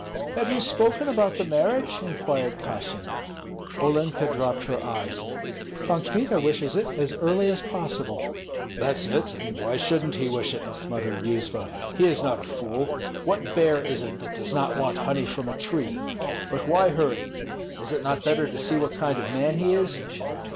"Have you spoken about the marriage?" inquired Kassyan. Olenka dropped her eyes: "Pan Kmita wishes it as early as possible." "That's it! and why shouldn't he wish it?" muttered Yuzva; "he is not a fool! What bear is it that does not want honey from a tree? But why hurry? Is it not better to see what kind of man he is?